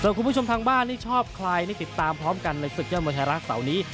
สวัสดีคุณผู้ชมทางบ้านที่ชอบใครที่ติดตามพร้อมกันในศึกยอดมธรรมศาลนี้